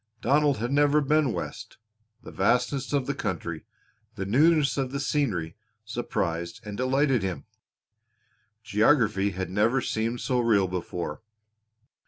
Donald had never been West. The vastness of the country, the newness of the scenery surprised and delighted him. Geography had never seemed so real before.